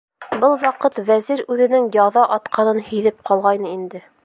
- Был ваҡыт Вәзир үҙенең яҙа атҡанын һиҙеп ҡалғайны инде.